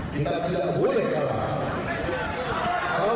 kita tidak bisa kalah